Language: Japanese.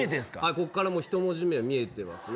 ここから１文字目、見えてますね。